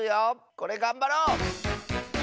これがんばろう！